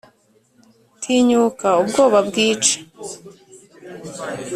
tinyuka ubwoba bwica!